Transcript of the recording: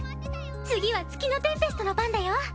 次は月のテンペストの番だよ！